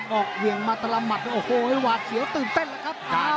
เปิดออกเหวียงมัตรรหมุะแล้วโอ้โหไอ้หวานเสียวก็ตื่นเต้นนะครับ